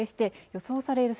予想される